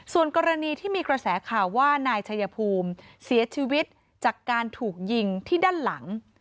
ส่วนกรณีที่มีกระแสข่าวว่านายชายภูมิเสียชีวิตจากการถูกยิงที่ด้านหลัง